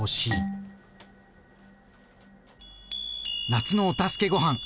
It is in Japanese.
「夏のお助けごはん」